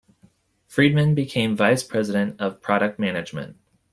Friedman became Vice President of Product Management.